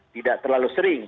tidak terlalu sering